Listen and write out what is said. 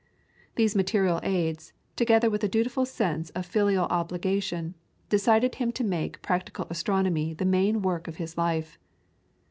These material aids, together with a dutiful sense of filial obligation, decided him to make practical astronomy the main work of his life.